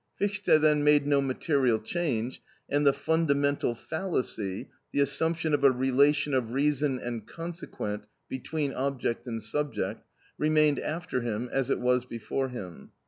Fichte then made no material change, and the fundamental fallacy, the assumption of a relation of reason and consequent between object and subject, remained after him as it was before him.